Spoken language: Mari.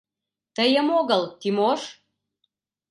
— Тыйым огыл, Тимош!